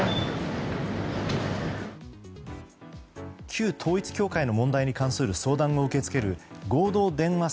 旧統一教会の問題に関する相談を受け付ける合同電話